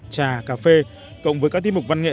trà cà phê cộng với các tiết mục văn nghệ